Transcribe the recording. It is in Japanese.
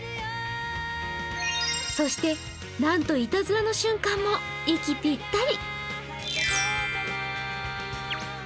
そしてなんとイタズラの瞬間も息ぴったり。